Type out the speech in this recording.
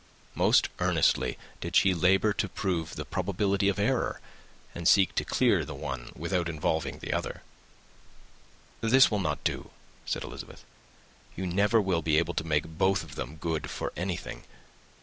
Most earnestly did she labour to prove the probability of error, and seek to clear one, without involving the other. "This will not do," said Elizabeth; "you never will be able to make both of them good for anything.